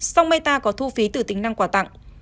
song meta có thu phí từ tính năng quà tặng